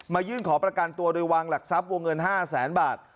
ยื่นขอประกันตัวโดยวางหลักทรัพย์วงเงิน๕แสนบาท